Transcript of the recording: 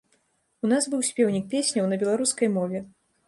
У нас быў спеўнік песняў на беларускай мове.